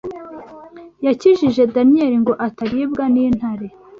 Yakijije Daniyeli ngo ataribwa n’intare.’